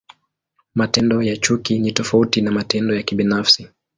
Matendo ya chuki ni tofauti na matendo ya kibinafsi.